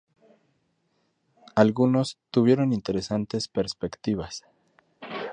Algunos, tuvieron interesantes perspectivas.